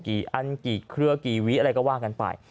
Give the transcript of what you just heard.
อันกี่เครือกี่วิอะไรก็ว่ากันไป